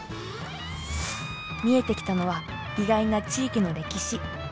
見えてきたのは意外な地域の歴史。